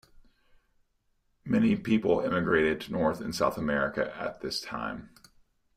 Many people emigrated to North and South America at this time.